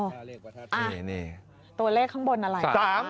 ตัวเลขข้างบนอะไร